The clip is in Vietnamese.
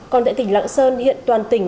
còn tại tỉnh lạng sơn hiện toàn tỉnh